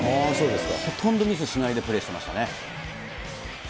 ほとんどミスしないでプレーしていましたね。